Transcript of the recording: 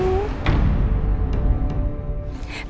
betul sekali sayang